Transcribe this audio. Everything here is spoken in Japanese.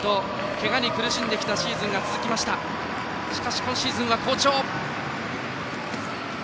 けがに苦しんできたシーズンが続きましたが今シーズンは好調。